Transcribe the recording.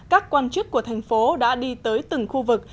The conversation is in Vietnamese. các quan chức của thành phố đã đi tới từng khu vực